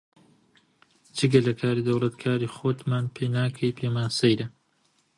جگە لە کاری دەوڵەت کاری خۆتمان پێ ناکەی، پێمان سەیرە